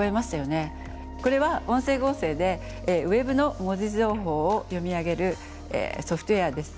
これは音声合成でＷｅｂの文字情報を読み上げるソフトウェアです。